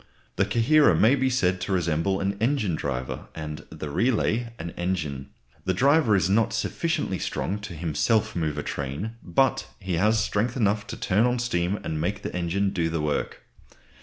The coherer may be said to resemble an engine driver, and the "relay" an engine. The driver is not sufficiently strong to himself move a train, but he has strength enough to turn on steam and make the engine do the work.